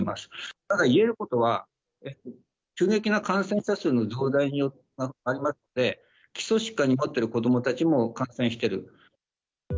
ただ、言えることは、急激な感染者数の増大に相まって、基礎疾患を持ってる子どもたちも感染している。